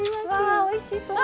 わおいしそうに！